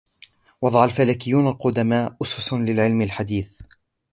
وضع الفلكيون القدماء أسسا للعلم الحديث